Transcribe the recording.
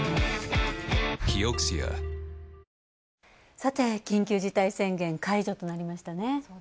さて、緊急事態宣言解除となりましたね。